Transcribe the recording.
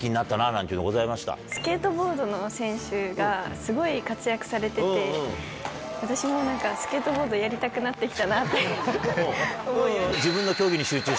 スケートボードの選手がすごい活躍されてて私もスケートボードやりたくなって来たなって。